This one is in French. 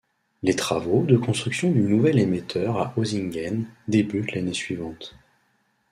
Les travaux de construction du nouvel émetteur à Hosingen débutent l'année suivante.